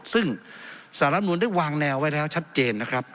ซึ่งสารรับนูลได้วางแนวไว้แล้วชัดเจนนะครับ